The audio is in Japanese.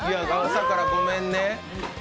朝からごめんね。